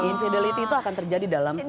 infidelity itu akan terjadi dalam hubungan